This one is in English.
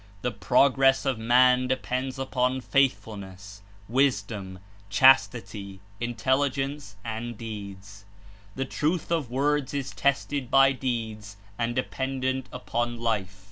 The pro^^ress of man depends upon faithfulness, zvisdom, chastity, intelligence and deeds.'' "The truth of icords is tested by deeds and dependent upon life.